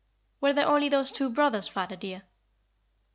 "Were there only those two brothers, father, dear?"